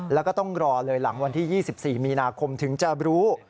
แล้วก็ต้องรอเลยหลังวันที่๒๔มีนาคมถึงจะรู้